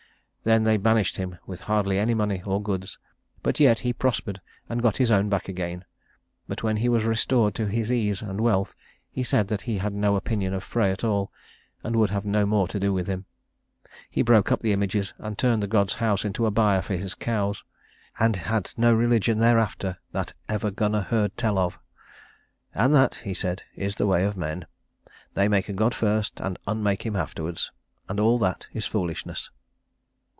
Then they banished him with hardly any money or goods; but yet he prospered and got his own back again. But when he was restored to his ease and wealth he said that he had no opinion of Frey at all, and would have no more to do with him. He broke up the images and turned the god's house into a byre for his cows, and had no religion thereafter that ever Gunnar heard tell of. "And that," he said, "is the way of men. They make a god first and unmake him afterwards and all that is foolishness."